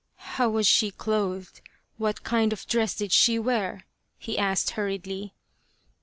" How was she clothed ? What kind of dress did she wear ?" he asked hurriedly.